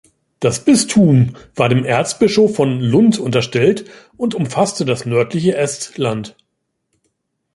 Das Bistum war dem Erzbischof von Lund unterstellt und umfasste das nördliche Estland.